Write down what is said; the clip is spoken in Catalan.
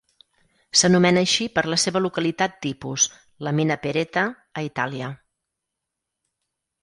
S’anomena així per la seva localitat tipus, la mina Pereta, a Itàlia.